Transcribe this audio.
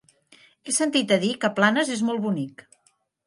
He sentit a dir que Planes és molt bonic.